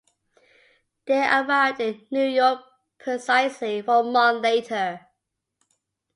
They arrived in New York precisely one month later.